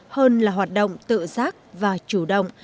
hơn là hoạt động tự giác và chủ động